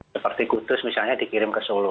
seperti kudus misalnya dikirim ke solo